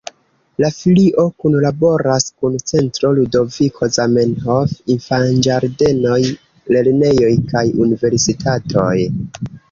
La filio kunlaboras kun Centro Ludoviko Zamenhof, infanĝardenoj, lernejoj kaj universitatoj.